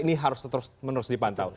ini harus terus menerus dipantau